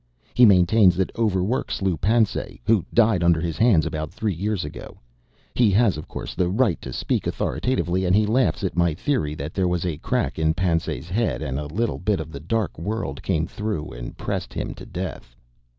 He maintains that overwork slew Pansay, who died under his hands about three years ago. He has, of course, the right to speak authoritatively, and he laughs at my theory that there was a crack in Pansay's head and a little bit of the Dark World came through and pressed him to death.